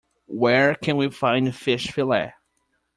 Where can we find fish fillet?